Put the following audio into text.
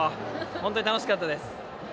本当に楽しかったです。